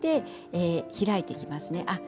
開いていきますね。